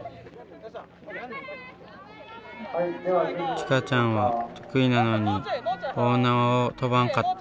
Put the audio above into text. ちかちゃんは得意なのに大縄を跳ばんかった。